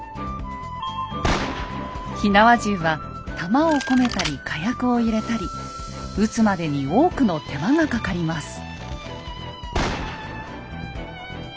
火縄銃は弾を込めたり火薬を入れたり撃つまでに多くの手間がかかります。